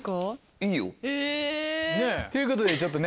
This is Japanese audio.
いいよ。ということでちょっとね